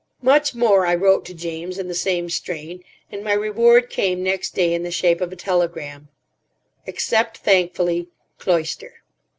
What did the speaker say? Much more I wrote to James in the same strain; and my reward came next day in the shape of a telegram: "Accept thankfully.—Cloyster."